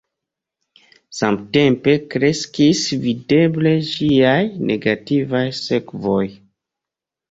Samtempe kreskis videble ĝiaj negativaj sekvoj.